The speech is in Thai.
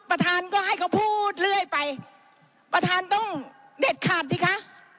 ประธานก็ให้เขาพูดเรื่อยไปประธานต้องเด็ดขาดสิคะ